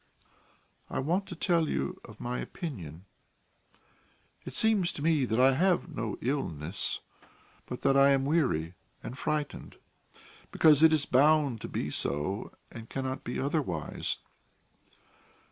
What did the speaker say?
"I want to tell you of my opinion. It seems to me that I have no illness, but that I am weary and frightened, because it is bound to be so and cannot be otherwise.